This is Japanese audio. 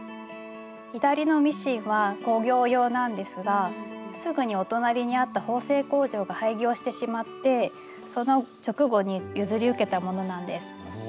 左のミシンは工業用なんですがすぐにお隣にあった縫製工場が廃業してしまってその直後に譲り受けたものなんです。